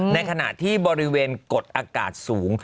ในขณะที่บริเวณกดอากาศสูง